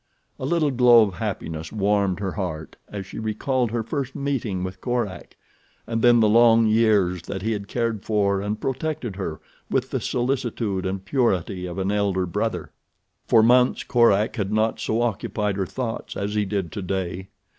A little glow of happiness warmed her heart as she recalled her first meeting with Korak and then the long years that he had cared for and protected her with the solicitude and purity of an elder brother. For months Korak had not so occupied her thoughts as he did today.